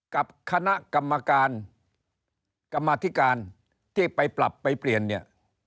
กับคณะกรรมการกรรมธิการที่ไปปรับไปเปลี่ยนเนี่ย